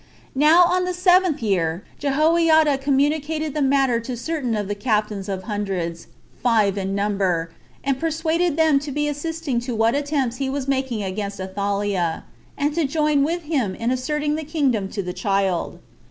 2. Now, on the Seventh year, Jehoiada communicated the matter to certain of the captains of hundreds, five in number, and persuaded them to be assisting to what attempts he was making against Athaliah, and to join with him in asserting the kingdom to the child.